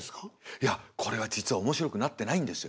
いやこれが実は面白くなってないんですよ。